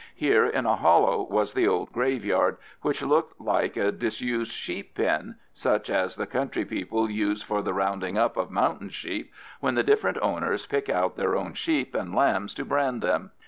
Here in a hollow was the old graveyard, which looked like a disused sheep pen, such as the country people use for the rounding up of mountain sheep when the different owners pick out their own sheep and lambs to brand them.